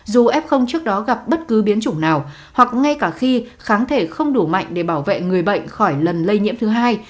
dù f trước đó gặp bất cứ biến chủng nào hoặc ngay cả khi kháng thể không đủ mạnh để bảo vệ người bệnh khỏi lần lây nhiễm thứ hai